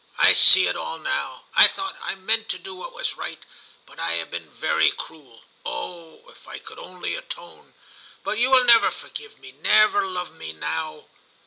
I see it all now ; I thought, I meant to do what was right, but I have been very cruel. Oh ! if I could only atone ! but you will never forgive me, never love me now.